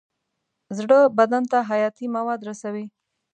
زړه بدن ته حیاتي مواد رسوي.